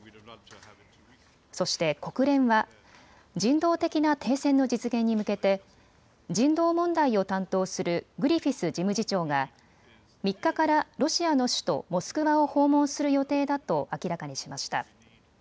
そして国連は、人道的な停戦の実現に向けて人道問題を担当するグリフィス事務次長が３日からロシアの首都モスクワを訪問する予定だと明らかにしました。